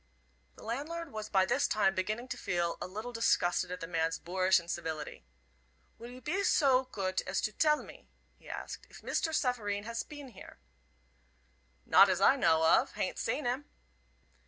The landlord was by this time beginning to feel a little disgusted at the man's boorish incivility. "Will you pe so coot as to tell me," he asked, "if Mister Safareen hass peen here?" "Not as I know of. Hain't seen him."